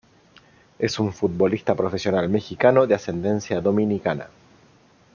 Es un futbolista profesional mexicano, de ascendencia dominicana.